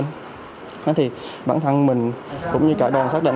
thế thì bản thân mình cũng như cả đoàn xác định